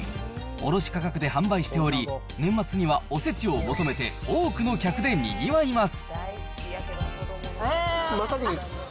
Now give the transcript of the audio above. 卸価格で販売しており、年末にはおせちを求めて多くの客でにぎわいます。